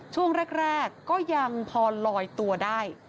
ช่วงแรกก็ยังพอลอยตัวได้